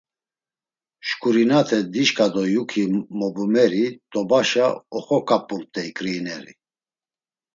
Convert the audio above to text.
Şǩurinate dişǩa do yuki mobumeri t̆obaşa oxoǩap̌umt̆ey ǩriineri.